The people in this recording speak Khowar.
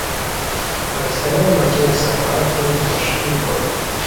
پاکستانیان بچین سفر کوریک مشکل کوروم۔